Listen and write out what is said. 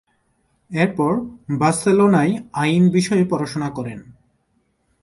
এরপর বার্সেলোনায় আইন বিষয়ে পড়াশোনা করেন।